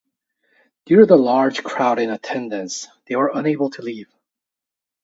Due to the large crowd in attendance, they were unable to leave.